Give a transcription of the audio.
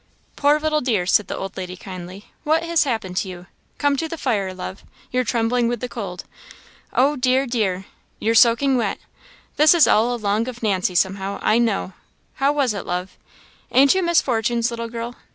"Poor little dear!" said the old lady, kindly, "what has happened to you? Come to the fire, love, you're trembling with the cold. Oh, dear! dear! You're soaking wet; this is all along of Nancy somehow, I know; how was it love? Ain't you Miss Fortune's little girl?